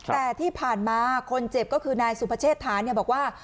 แต่ที่ผ่านมาคนเจ็บก็คือนายสุพเชษฐานบอกว่า